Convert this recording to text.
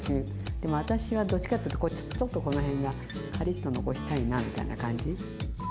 でも私はどっちかっていうとちょっとこの辺がカリッと残したいなみたいな感じ。